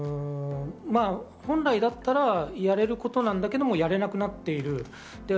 本来だったらやれることなんだけど、やれなくなっている。